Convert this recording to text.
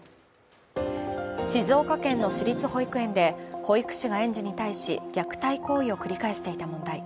静岡県の私立保育園で保育士が園児に対し、虐待行為を繰り返していた問題。